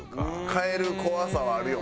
変える怖さはあるよな。